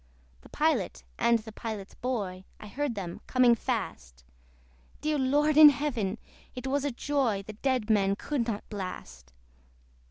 The Pilot, and the Pilot's boy, I heard them coming fast: Dear Lord in Heaven! it was a joy The dead men could not blast.